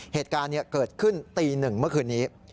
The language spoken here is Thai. เหตุการณ์เกิดขึ้นตีหนึ่งเมื่อคืนนี้